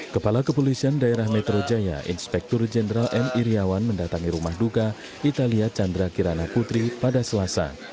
kepala kepolisian daerah metro jaya inspektur jenderal m iryawan mendatangi rumah duka italia chandra kirana putri pada selasa